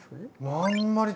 あんまり。